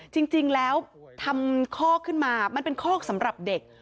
จริงแล้วทำคอกขึ้นมามันเป็นคอกสำหรับเด็ก